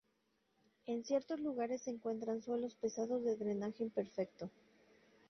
En ciertos lugares se encuentran suelos pesados de drenaje imperfecto.